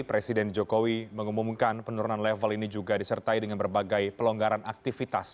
presiden jokowi mengumumkan penurunan level ini juga disertai dengan berbagai pelonggaran aktivitas